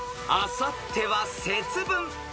［あさっては節分］